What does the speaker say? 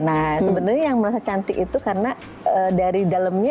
nah sebenarnya yang merasa cantik itu karena dari dalamnya